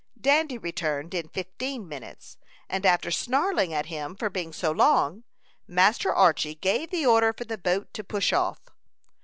Dandy returned in fifteen minutes, and after snarling at him for being so long, Master Archy gave the order for the boat to push off.